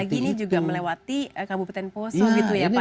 apalagi ini juga melewati kabupaten poso gitu ya pak